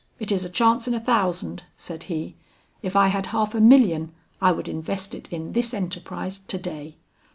It is a chance in a thousand,' said he; 'if I had half a million I would invest it in this enterprise to day.